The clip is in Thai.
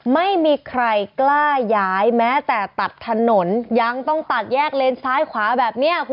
ไม่มีใครกล้าย้ายแม้แต่ตัดถนนยังต้องตัดแยกเลนซ้ายขวาแบบนี้